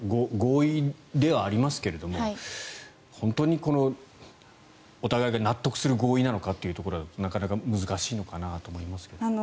合意ではありますけれども本当にお互いが納得する合意なのかはなかなか難しいのかなと思いますけど。